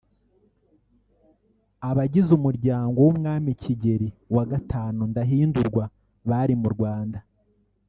Abagize Umuryango w’Umwami Kigeli V Ndahindurwa bari mu Rwanda